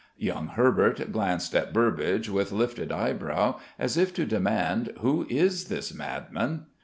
Young Herbert glanced at Burbage with lifted eyebrow, as if to demand, "Who is this madman?"